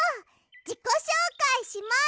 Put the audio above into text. じこしょうかいします！